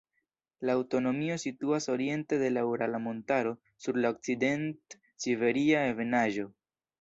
La aŭtonomio situas oriente de la Urala montaro sur la Okcident-Siberia ebenaĵo.